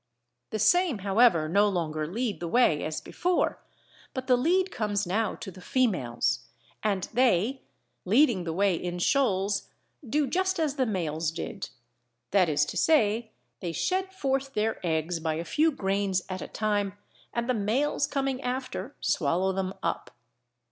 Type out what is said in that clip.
The same however no longer lead the way as before, but the lead comes now to the females, and they leading the way in shoals do just as the males did, that is to say they shed forth their eggs by a few grains at a time, and the males coming after swallow them up.